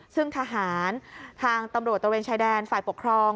ซึ่งทหารทางตำรวจตระเวนชายแดนฝ่ายปกครอง